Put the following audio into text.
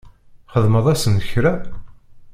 Txedmeḍ-asen kra?